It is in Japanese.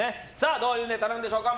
どういうネタなんでしょうか。